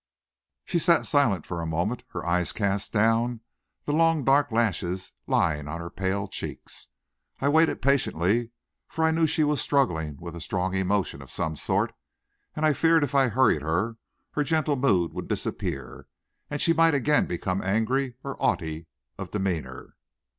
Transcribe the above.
She sat silent for a moment, her eyes cast down, the long dark lashes lying on her pale cheeks. I waited patiently, for I knew she was struggling with a strong emotion of some sort, and I feared if I hurried her, her gentle mood would disappear, and she might again become angry or haughty of demeanor.